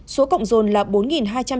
số cộng rồn là bốn hai trăm chín mươi chín ca